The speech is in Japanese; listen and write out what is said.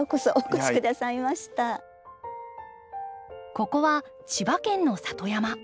ここは千葉県の里山。